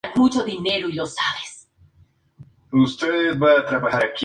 Cubre todos los aspectos del circo, desde su inicio arqueológico hasta sus formas contemporáneas.